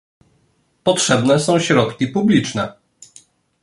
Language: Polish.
Potrzebne są środki publiczne